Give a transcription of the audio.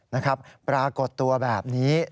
นะครับปรากฏตัวแบบนี้